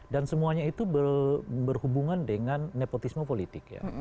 dan semuanya itu berhubungan dengan nepotisme politik ya